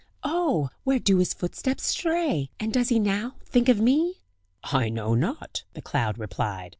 Oh! where do his footsteps stray? And does he now think of me?" "I know not," the cloud replied.